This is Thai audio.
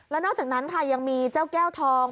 แล้วนอกจากนั้นค่ะยังมีเจ้าแก้วทอง